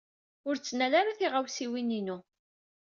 Ur ttnal ara tiɣawsiwin-inu!